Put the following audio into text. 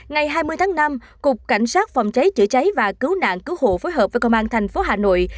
ngày hai mươi tháng năm cục cảnh sát phòng cháy chữa cháy và cứu nạn cứu hộ phối hợp với công an thành phố hà nội